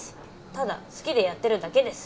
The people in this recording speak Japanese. ただ好きでやってるだけです。